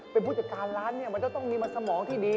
เป็นผู้จัดการร้านเนี่ยมันจะต้องมีมันสมองที่ดี